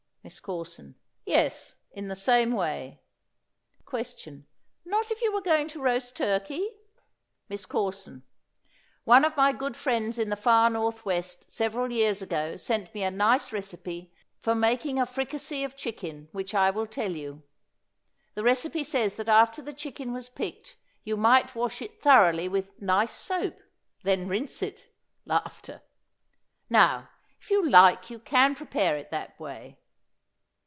MISS CORSON. Yes, in the same way. Question. Not if you were going to roast turkey? MISS CORSON. One of my good friends in the far Northwest several years ago sent me a nice recipe for making a fricassee of chicken which I will tell you. The recipe said that after the chicken was picked you might wash it thoroughly with nice soap, then rinse it. Now if you like you can prepare it that way.